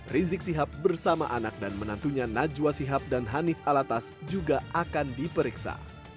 rizik sihab bersama anak dan menantunya najwa sihab dan hanif alatas juga akan diperiksa